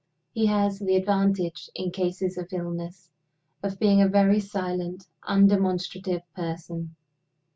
He has the advantage (in cases of illness) of being a very silent, undemonstrative person.